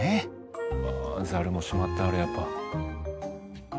あザルもしまってあるやっぱ。